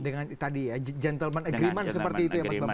dengan tadi ya gentleman agreement seperti itu ya mas bambang